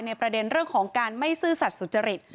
ประเด็นเรื่องของการไม่ซื่อสัตว์สุจริต